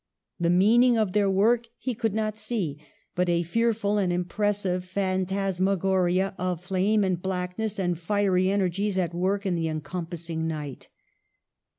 The meaning of their work he could not see, but a fearful and impressive phantasma goria of flame and blackness and fiery energies at work in the encompassing night.